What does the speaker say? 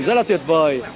rất là tuyệt vời